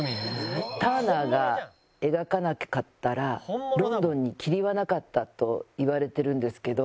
ターナーが描かなかったらロンドンに霧はなかったといわれているんですけど。